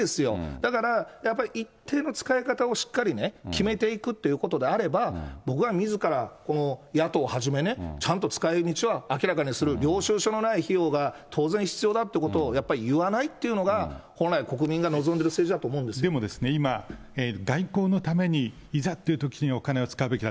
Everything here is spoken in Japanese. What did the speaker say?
だから、やっぱり一定の使い方をしっかりね、決めていくっていうことであれば、僕はみずからこの野党はじめね、ちゃんと使いみちは明らかにする、領収書のない費用が当然必要だってことを、やっぱり言わないっていうのが、本来、国民が望んでる政治だと思でもですね、今、外交のためにいざというときにお金を使うべきだ。